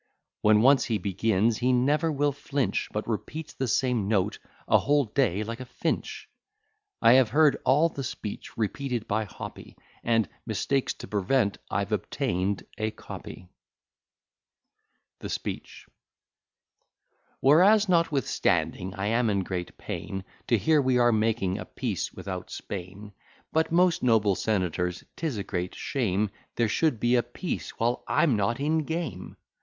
When once he begins, he never will flinch, But repeats the same note a whole day like a Finch. I have heard all the speech repeated by Hoppy,' And, "mistakes to prevent, I've obtained a copy." THE SPEECH Whereas, notwithstanding I am in great pain, To hear we are making a peace without Spain; But, most noble senators, 'tis a great shame, There should be a peace, while I'm _Not in game.